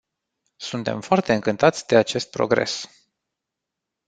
Suntem foarte încântați de acest progres.